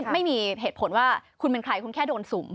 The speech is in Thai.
ไม่มีเหตุผลว่าคุณเป็นใครคุณแค่โดนสุ่ม